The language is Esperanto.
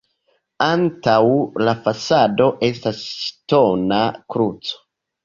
Antaŭ la fasado estas ŝtona kruco.